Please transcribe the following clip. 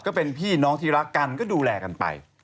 ก็เป็นพี่น้องที่รักกันก็ดูแลกันไป